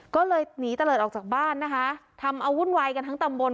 ก็เลยหนีตะเลิศออกจากบ้านนะคะทำเอาวุ่นวายกันทั้งตำบล